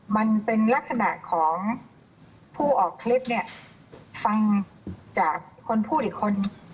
มันเป็นลักษณะของผู้ออกคลิปเนี่ยฟังจากคนพูดอีกคน